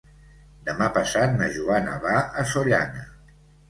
Demà passat na Joana va a Sollana.